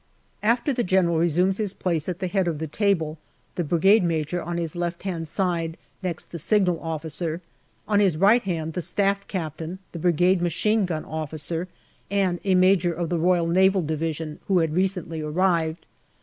154 GALLIPOLI DIARY After the General resumes his place at the head of the table, the Brigade Major on his left hand side, next the Signal Officer, on his right hand, the Staff Captain, the Brigade Machine Gun Officer and a Major of the R.N.D., who had recently arrived.